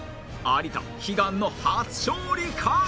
有田悲願の初勝利か？